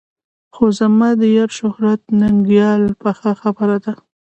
خو زما د یار شهرت ننګیال پخه خبره ده.